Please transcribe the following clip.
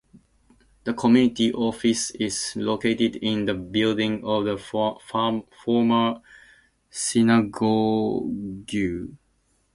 The community office is located in the building of the former synagogue.